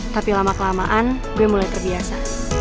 tapi lama kelamaan bem mulai terbiasa